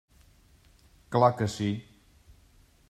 Clar que sí.